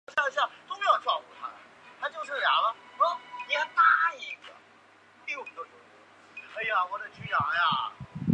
独立式圣安得烈十字有一个骨架来支撑整个十字。